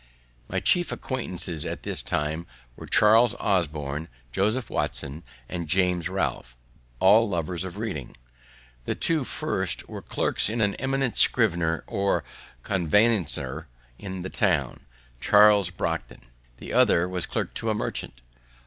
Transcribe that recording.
My chief acquaintances at this time were Charles Osborne, Joseph Watson, and James Ralph, all lovers of reading. The two first were clerks to an eminent scrivener or conveyancer in the town, Charles Brockden; the other was clerk to a merchant.